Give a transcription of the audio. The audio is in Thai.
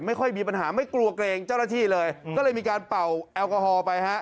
ไม่ค่อยมีปัญหาไม่กลัวเกรงเจ้าหน้าที่เลยก็เลยมีการเป่าแอลกอฮอล์ไปฮะ